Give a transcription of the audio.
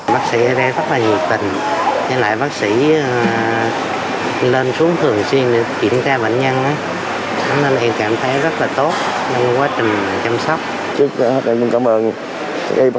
bác sĩ ở đây rất là nhiều tình nhưng lại bác sĩ lên xuống thường xuyên để kiểm tra bệnh nhân